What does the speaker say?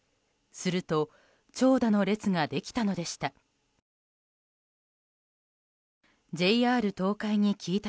すると長蛇の列ができたのでした。